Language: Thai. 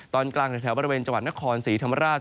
ตอนกลางแถวบริเวณจวัตรนครสีธรรมราช